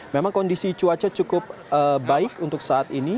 memang kondisi cuaca cukup baik untuk saat ini